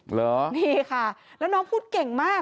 เหรอนี่ค่ะแล้วน้องพูดเก่งมาก